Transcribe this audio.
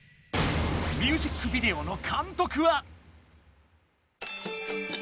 ミュージックビデオの監督は。